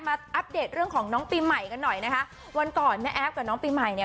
อัปเดตเรื่องของน้องปีใหม่กันหน่อยนะคะวันก่อนแม่แอฟกับน้องปีใหม่เนี่ย